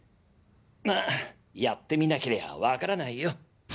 まあやってみなけりゃわからないよ。